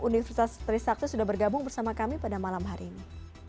universitas tristraksus sudah bergabung bersama kami pada malam hari ini